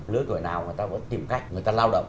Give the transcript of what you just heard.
lứa tuổi nào người ta vẫn tìm cách người ta lao động